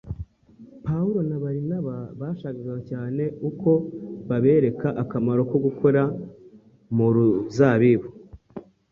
Pawulo na Barinaba bashakaga cyane uko babereka akamaro ko gukora mu ruzabibu